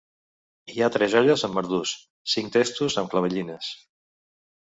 ...hi ha tres olles amb marduix, cinc testos amb clavellines.